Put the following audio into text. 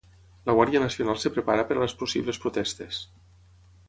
La Guàrdia Nacional es prepara per a les possibles protestes.